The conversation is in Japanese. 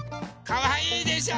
かわいいでしょ？